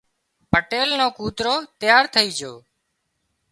پٽيل نو ڪوترو تيار ٿئي جھو